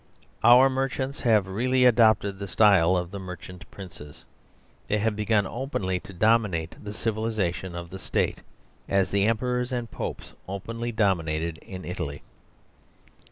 Our merchants have really adopted the style of merchant princes. They have begun openly to dominate the civilisation of the State, as the emperors and popes openly dominated in Italy.